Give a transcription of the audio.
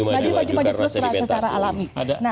terus maju maju terus teracet secara alami